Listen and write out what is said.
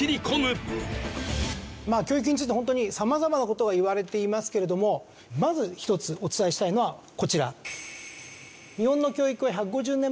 まあ教育についてホントに様々な事がいわれていますけれどもまず一つお伝えしたいのはこちら。